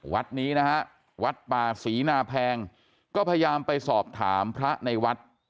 วัดนี้นะฮะวัดป่าศรีนาแพงก็พยายามไปสอบถามพระในวัด